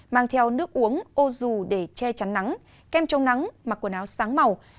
mang theo nước uống ô dù để che chắn nắng kem trông nắng